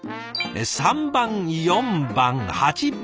３番４番８番。